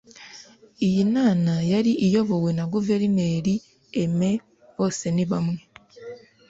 Iyi nana yari iyobowe na Guverineri Aime Bosenibamwe